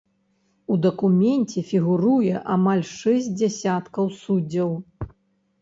У дакуменце фігуруе амаль шэсць дзясяткаў суддзяў.